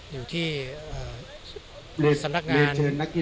อยู่ที่สำนักงาน